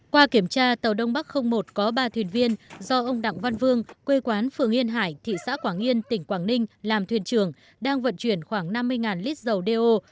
qua kiểm tra tàu đông bắc một có ba thuyền viên do ông đặng văn vương quê quán phường yên hải thị xã quảng yên tỉnh quảng ninh làm thuyền trưởng đang vận chuyển khoảng năm mươi lít dầu đeo